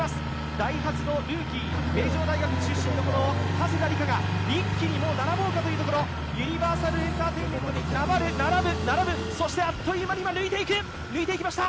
ダイハツのルーキー、名城大学出身の加世田梨花が一気に並ぼうかというところ、ユニバーサルエンターテインメントに並ぶ、そしてあっという間に今、抜いていきました。